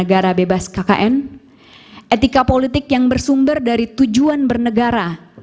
etika politik yang bersumber dari tujuan bernegara